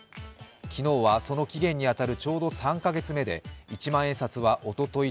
昨日はその期限に当たるちょうど３か月目で一万円札はおととい